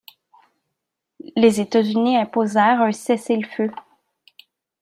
Les États-Unis imposèrent un cessez-le-feu.